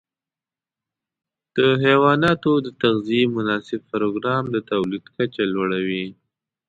د حيواناتو د تغذیې مناسب پروګرام د تولید کچه لوړه وي.